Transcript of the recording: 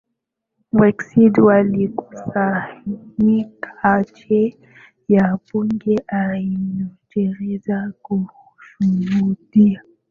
Brexit walikusanyika nje ya bunge la Uingereza kushuhudia